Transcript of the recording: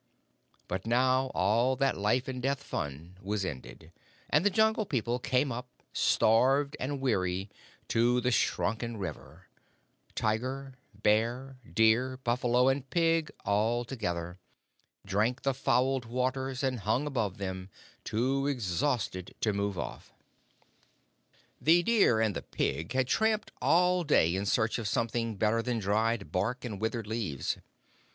But now all that life and death fun was ended, and the Jungle People came up, starved and weary, to the shrunken river, tiger, bear, deer, buffalo, and pig, all together, drank the fouled waters, and hung above them, too exhausted to move off. The deer and the pig had tramped all day in search of something better than dried bark and withered leaves.